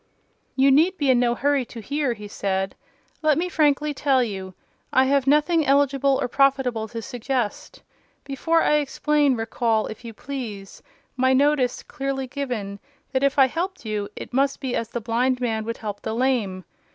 "You need be in no hurry to hear," he said: "let me frankly tell you, I have nothing eligible or profitable to suggest. Before I explain, recall, if you please, my notice, clearly given, that if I helped you, it must be as the blind man would help the lame.